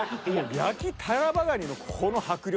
焼きタラバガニのこの迫力。